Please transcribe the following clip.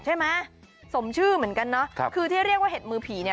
ใช่ไหมสมชื่อเหมือนกันเนาะคือที่เรียกว่าเห็ดมือผีเนี่ย